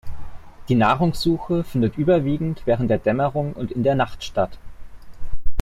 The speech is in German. Die Nahrungssuche findet überwiegend während der Dämmerung und in der Nacht statt.